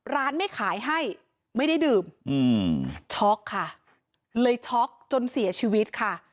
ร้านไม่ขายให้ไม่ได้ดื่มช็อกค่ะเลยช็อกจนเสียชีวิตค่ะ